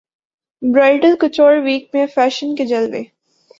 bridal couture week میں fashion کے جلوے